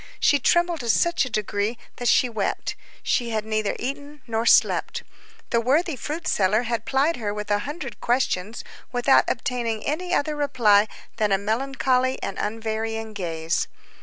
She trembled to such a degree that she wept. She had neither eaten nor slept. The worthy fruit seller had plied her with a hundred questions, without obtaining any other reply than a melancholy and unvarying gaze.